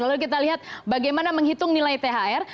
lalu kita lihat bagaimana menghitung nilai thr